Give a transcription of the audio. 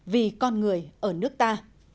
vì con người ở nước ta